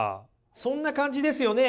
そんな感じですよね。